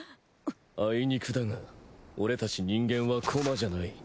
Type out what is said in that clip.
あいにくだが俺たち人間は駒じゃない。